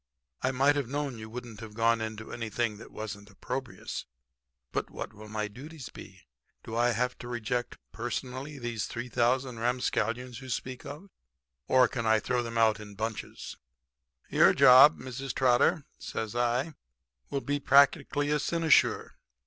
'I might have known you wouldn't have gone into anything that wasn't opprobrious. But what will my duties be? Do I have to reject personally these 3,000 ramscallions you speak of, or can I throw them out in bunches?' "'Your job, Mrs. Trotter,' says I, 'will be practically a cynosure.